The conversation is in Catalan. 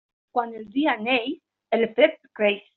Quan el dia neix, el fred creix.